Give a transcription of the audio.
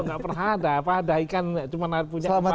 enggak pernah ada apa ada ikan cuma punya kepala sama itu